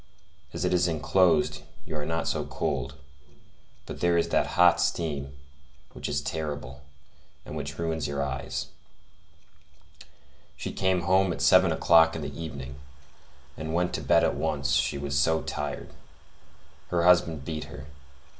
As it is enclosed, you are not so cold; but there is that hot steam, which is terrible, and which ruins your eyes. She came home at seven o'clock in the evening, and went to bed at once, she was so tired. Her husband beat her.